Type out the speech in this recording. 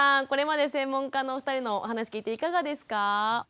これまで専門家のお二人のお話聞いていかがですか？